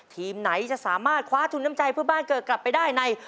ทีมไหนจะสามารถคว้าทุนน้ำใจเพื่อบ้านเกิดกลับไปได้ใน